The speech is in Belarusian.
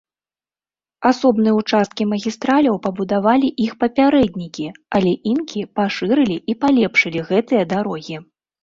Асобныя ўчасткі магістраляў пабудавалі іх папярэднікі, але інкі пашырылі і палепшылі гэтыя дарогі.